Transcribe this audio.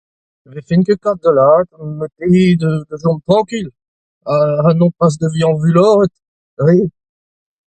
Ne vefen ket kap da lâret marteze da chom trankil ha n'on pas da vezañ fuloret re.